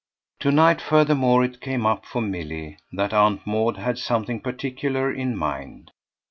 To night furthermore it came up for Milly that Aunt Maud had something particular in mind.